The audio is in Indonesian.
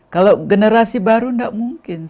kalau generasi baru tidak mungkin